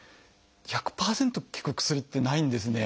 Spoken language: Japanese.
１００％効く薬ってないんですね。